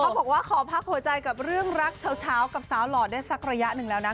บอกว่าขอพักหัวใจกับเรื่องรักเช้ากับสาวหล่อได้สักระยะหนึ่งแล้วนะ